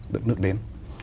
đất nước đến